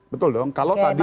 betul dong kalau tadi